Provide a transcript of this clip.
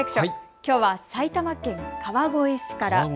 きょうは埼玉県川越市から。